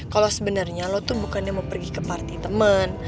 kalo sebenernya lu tuh bukannya mau pergi ke party temen